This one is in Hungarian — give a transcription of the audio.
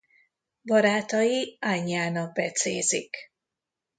Barátai Aniának becézik.